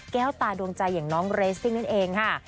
ตาดวงใจอย่างน้องเรสซิ่งนั่นเองค่ะ